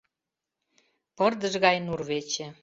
Пырдыж гай нурвече